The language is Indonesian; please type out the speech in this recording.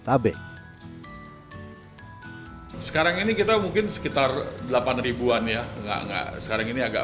di tabek sekarang ini kita mungkin sekitar delapan ribu an ya enggak enggak sekarang ini agak